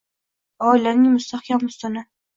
Oilaning mustahkam ustuni